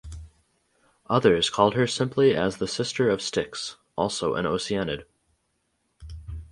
Others called her simply as the sister of Styx (also an Oceanid).